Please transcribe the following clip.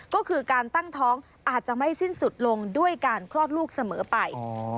ก็คือการตั้งท้องอาจจะไม่สิ้นสุดลงด้วยการคลอดลูกเสมอไป